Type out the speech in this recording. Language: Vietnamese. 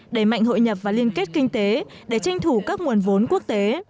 đẩy mạnh hội nhập và liên kết kinh tế để tranh thủ các nguồn vốn quốc tế